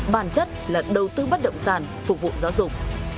bản chất là đầu tư bất động sản phục vụ giáo dục